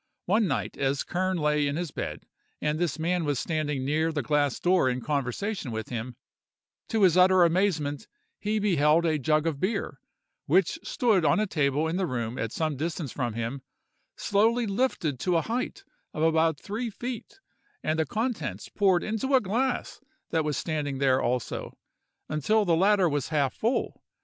One night as Kern lay in his bed, and this man was standing near the glass door in conversation with him, to his utter amazement he beheld a jug of beer, which stood on a table in the room at some distance from him, slowly lifted to a height of about three feet, and the contents poured into a glass that was standing there also, until the latter was half full.